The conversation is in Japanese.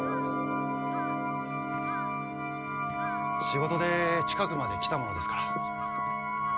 仕事で近くまで来たものですから。